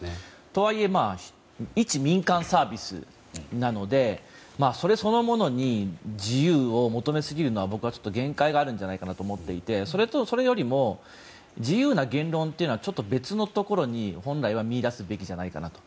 とはいえ一民間サービスなのでそれそのものに自由を求めすぎるのは僕はちょっと限界があるんじゃないかなと思っていてそれよりも自由な言論というのはちょっと別なところに本来は見いだすべきじゃないかと。